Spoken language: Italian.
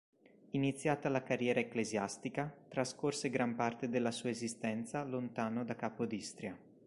Iniziata la carriera ecclesiastica, trascorse gran parte della sua esistenza lontano da Capodistria.